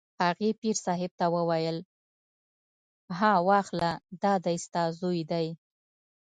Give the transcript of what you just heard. هغې پیر صاحب ته وویل: ها واخله دا دی ستا زوی دی.